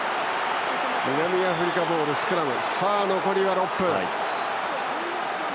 南アフリカボールのスクラム。